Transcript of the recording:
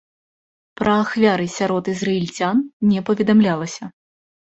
Пра ахвяры сярод ізраільцян не паведамлялася.